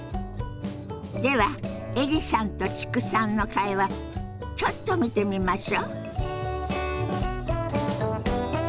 ではエリさんと知久さんの会話ちょっと見てみましょ。